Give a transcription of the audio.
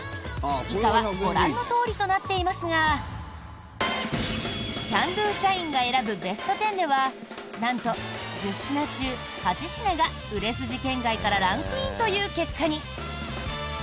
以下はご覧のとおりとなっていますがＣａｎ★Ｄｏ社員が選ぶベスト１０ではなんと、１０品中８品が売れ筋圏外からランクインという結果に。